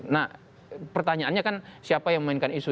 nah pertanyaannya kan siapa yang memainkan isu